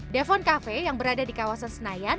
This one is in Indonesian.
defon cafe yang berada di kawasan senayan